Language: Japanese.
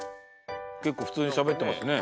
結構普通にしゃべってますね。